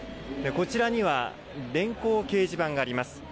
こちらには電光掲示板があります。